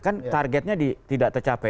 kan targetnya tidak tercapai